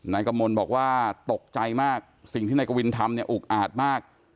นายกมลบอกว่าตกใจมากสิ่งที่นายกวินทำเนี่ยอุกอาจมาก